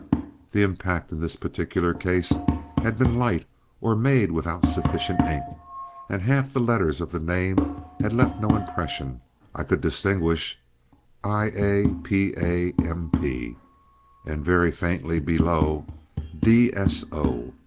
The impact in this particular case had been light or made without sufficient ink, and half the letters of the name had left no impression. I could distinguish— I A P A M P and very faintly below D.S.O.